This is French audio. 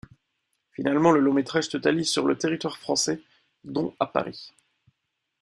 Finalement, le long-métrage totalise sur le territoire français, dont à Paris.